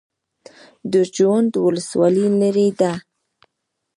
د جوند ولسوالۍ لیرې ده